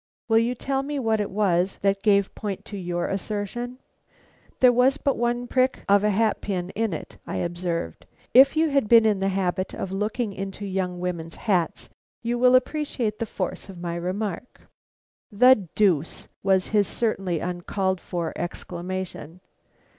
Will you tell me what it was that gave point to your assertion?" "There was but one prick of a hat pin in it," I observed. "If you have been in the habit of looking into young women's hats, you will appreciate the force of my remark." "The deuce!" was his certainly uncalled for exclamation.